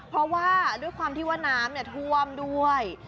เพราะว่าด้วยความที่ว่าน้ำท่วมด้วย